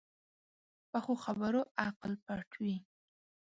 پخو خبرو عقل پټ وي